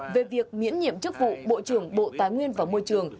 về việc miễn nhiệm chức vụ bộ trưởng bộ tài nguyên và môi trường